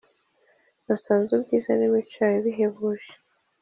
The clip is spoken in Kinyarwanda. nasanze ubwiza n` imico yawe bihebuje.